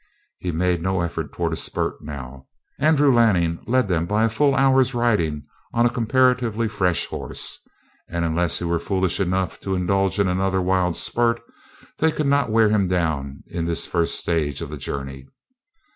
He made no effort toward a spurt now. Andrew Lanning led them by a full hour's riding on a comparatively fresh horse, and, unless he were foolish enough to indulge in another wild spurt, they could not wear him down in this first stage of the journey.